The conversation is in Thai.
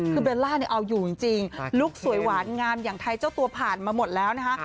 คือเบลล่าเนี่ยเอาอยู่จริงลุคสวยหวานงามอย่างไทยเจ้าตัวผ่านมาหมดแล้วนะคะ